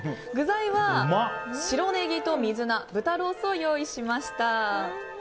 具材は白ネギと水菜豚ロースを用意しました。